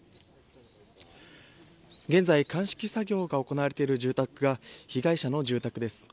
現在、鑑識作業が行われている住宅が、被害者の住宅です。